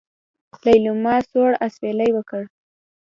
ليلما سوړ اسوېلی وکړ.